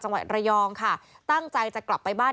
จังหวัดระยองค่ะตั้งใจจะกลับไปบ้าน